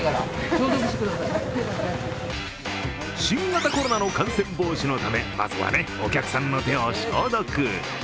新型コロナの感染防止のため、まずはね、お客さんの手を消毒。